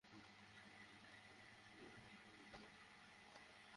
তার চেয়ে ভালো, একটু মোটরসাইকেলে করে সমুদ্রের কাছের দর্শনীয় জায়গাগুলো চষে ফেলা।